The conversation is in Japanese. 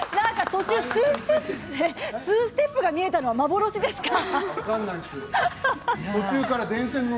途中２ステップが見えたのは幻ですか？